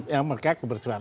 ya mereka kebersuaraan